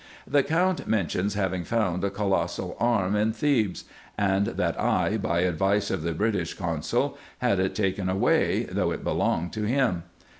The Count mentions having found a colossal arm in Thebes ; and that I, by advice of the British consul, had it taken away? though it belonged to him.